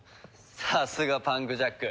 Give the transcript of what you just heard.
さすがパンクジャック。